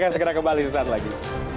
akan segera kembali sesaat lagi